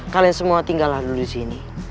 kalian semua tinggallah dulu disini